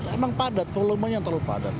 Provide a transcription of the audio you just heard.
emang padat volume nya terlalu padat